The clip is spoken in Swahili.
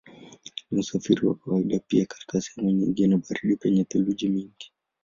Ni usafiri wa kawaida pia katika sehemu nyingine baridi penye theluji nyingi.